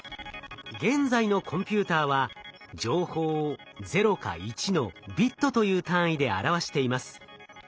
現在のコンピューターは情報を「０」か「１」のビットという単位で表しています。